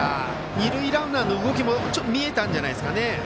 二塁ランナーの動きもちょっと見えたんじゃないですかね。